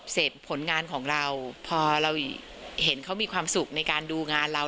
ผลงานของเราพอเราเห็นเขามีความสุขในการดูงานเรา